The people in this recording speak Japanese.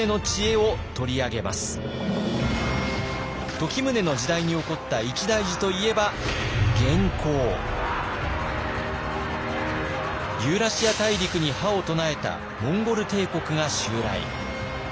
時宗の時代に起こった一大事といえばユーラシア大陸に覇を唱えたモンゴル帝国が襲来。